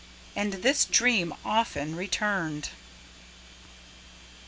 And this dream often returned.